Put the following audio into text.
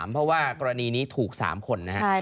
เพราะว่ากรณีนี้ถูก๓คนนะครับ